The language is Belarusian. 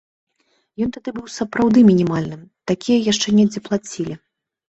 Ён тады быў сапраўды мінімальным, такія яшчэ недзе плацілі.